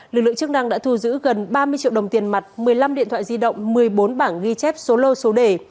lực lượng chức năng đã thu giữ gần ba mươi triệu đồng tiền mặt một mươi năm điện thoại di động một mươi bốn bảng ghi chép số lô số đề